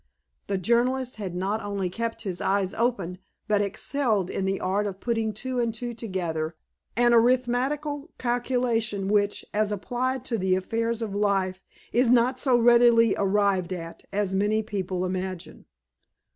The journalist had not only kept his eyes open, but excelled in the art of putting two and two together, an arithmetical calculation which, as applied to the affairs of life, is not so readily arrived at as many people imagine.